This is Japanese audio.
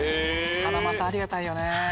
ハナマサありがたいよね。